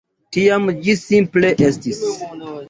Tiam ĝi simple estis.